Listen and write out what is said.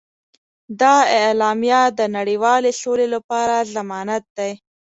دا اعلامیه د نړیوالې سولې لپاره ضمانت دی.